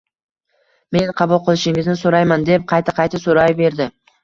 Meni qabul qilishingizni so’rayman, deb qayta-qayta so’rayverdi.